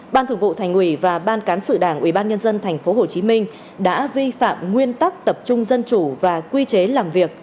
ban thường vụ thành ủy và ban cán sự đảng ủy ban nhân dân tp hcm đã vi phạm nguyên tắc tập trung dân chủ và quy chế làm việc